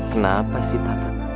kenapa sih tata